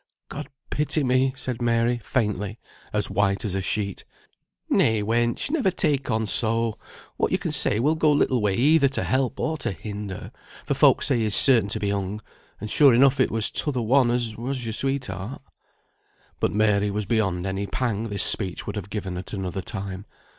"God pity me!" said Mary, faintly, as white as a sheet. "Nay, wench, never take on so. What yo can say will go little way either to help or to hinder, for folk say he's certain to be hung; and sure enough it was t'other one as was your sweetheart." But Mary was beyond any pang this speech would have given at another time.